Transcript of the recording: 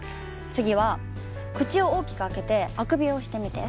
次は口を大きく開けてあくびをしてみて。